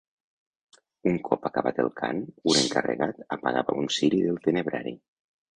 Un cop acabat el cant un encarregat apagava un ciri del tenebrari.